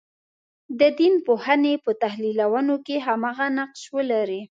د دین پوهنې په تحلیلونو کې هماغه نقش ولري.